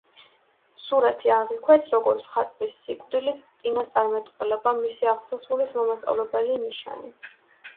სურათი აღიქვეს როგორც მხატვრის სიკვდილის წინასწარმეტყველება, მისი აღსასრულის მომასწავლებელი ნიშანი.